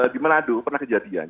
di manado pernah kejadian